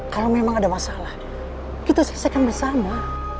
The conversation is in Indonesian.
kalau memang ada masalah kita selesaikan bersama